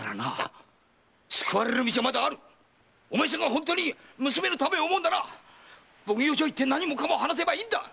おまえさんが本当に娘のためを想うんならお奉行所へ行って何もかも話せばいいんだ！